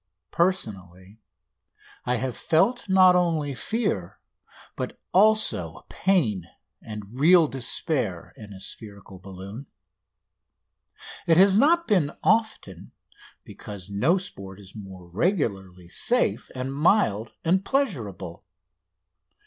Personally, I have felt not only fear but also pain and real despair in a spherical balloon. It has not been often, because no sport is more regularly safe and mild and pleasurable.